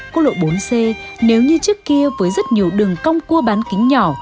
quốc lộ bốn c nếu như trước kia với rất nhiều đường cong cua bán kính nhỏ